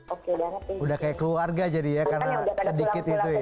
sudah kayak keluarga jadi ya karena sedikit itu ya